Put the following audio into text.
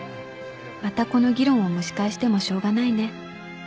またこの議論を蒸し返してもしょうがないね。